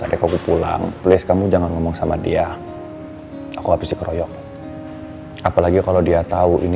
adek aku pulang please kamu jangan ngomong sama dia aku abis keroyok apalagi kalau dia tahu ini